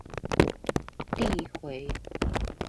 遞迴